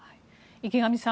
池上さん